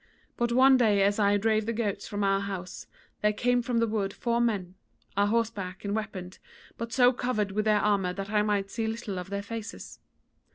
But one day as I drave the goats from our house there came from the wood four men, a horseback and weaponed, but so covered with their armour that I might see little of their faces.